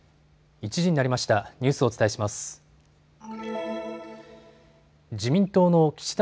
１時になりました。